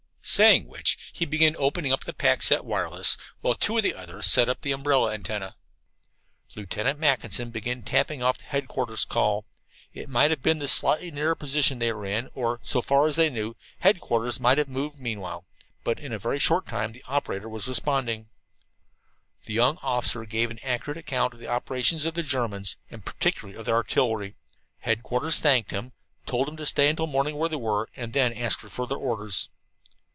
Saying which he began opening up the pack set wireless, while two of the others set up the umbrella antenna. Lieutenant Mackinson began tapping off the headquarters call. It might have been the slightly nearer position they were in, or, so far as they knew, headquarters might have moved meanwhile, but in a very short time the operator there was responding. The young officer gave an accurate account of the operations of the Germans, and particularly of their artillery. Headquarters thanked them, told them to stay until morning where they were, and then ask for further orders.